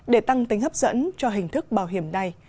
để tăng tính hấp dẫn cho hình thức bảo hiểm này